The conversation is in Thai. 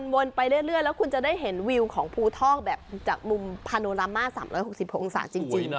วนไปเรื่อยแล้วคุณจะได้เห็นวิวของภูทอกแบบจากมุมพาโนรามา๓๖๖องศาจริง